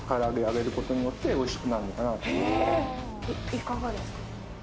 いかがですか？